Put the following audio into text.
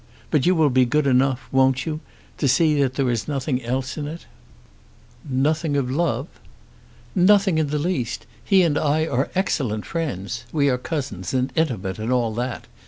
But you will be good enough, won't you, to see that there is nothing else in it?" "Nothing of love?" "Nothing in the least. He and I are excellent friends. We are cousins, and intimate, and all that.